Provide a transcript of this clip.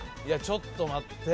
ちょっと待って。